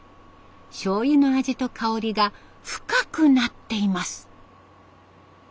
しょうゆの味と香りが深くなっています。